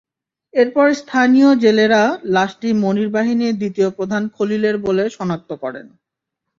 এরপর স্থানীয় জেলেরা লাশটি মনির বাহিনীর দ্বিতীয় প্রধান খলিলের বলে শনাক্ত করেন।